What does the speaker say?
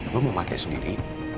lo mau pake sendiri